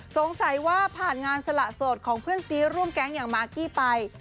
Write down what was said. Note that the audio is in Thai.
สงสัยว่าผ่านงานสละโสดของเพื่อนซีร่วมแก๊งอย่างมากกี้ไป